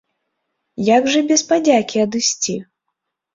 Як жа без падзякі адысці?